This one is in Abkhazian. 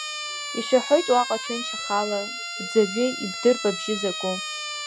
Ишәаҳәоит уаҟа ҭынч ахала, бӡырҩы ибдырп абжьы закәу.